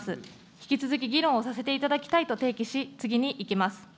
引き続き議論をさせていただきたいと提起し、次に行きます。